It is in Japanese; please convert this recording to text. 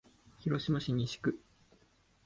広島市西区